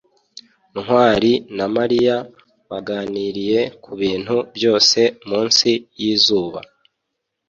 ntwali na mariya baganiriye kubintu byose munsi yizuba